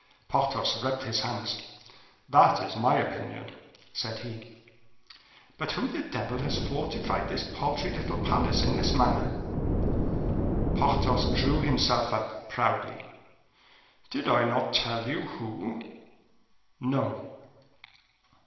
Porthos rubbed his hands. "That is my opinion," said he. "But who the devil has fortified this paltry little place in this manner?" Porthos drew himself up proudly: "Did I not tell you who?" "No."